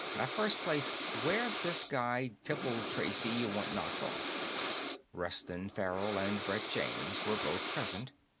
Now, first place, where's this guy Temple Tracy you want knocked off?" Reston Farrell and Brett James were both present.